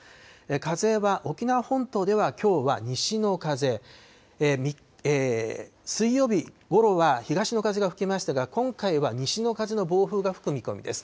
風は沖縄本島ではきょうは西の風、水曜日ごろは東の風が吹きましたが、今回は西の風の暴風が吹く見込みです。